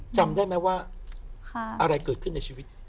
จำได้ไหมว่าอะไรเกิดขึ้นในชีวิต